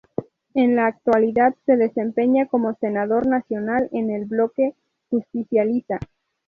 En la actualidad se desempeña como senador nacional en el bloque Justicialista.